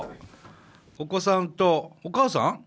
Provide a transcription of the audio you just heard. お子さんとお母さん？